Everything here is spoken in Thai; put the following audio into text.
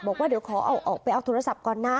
บอกว่าเดี๋ยวขอเอาออกไปเอาโทรศัพท์ก่อนนะ